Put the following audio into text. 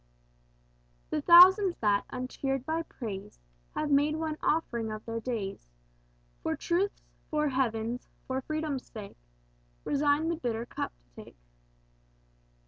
"The thousands that, uncheered by praise, Have made one offering of their days; For Truth's, for Heaven's, for Freedom's sake. Resigned the bitter cup to take."